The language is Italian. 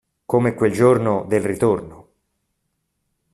Come quel giorno del ritorno.